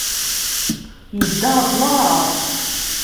Yedda ɣer tneɣraft.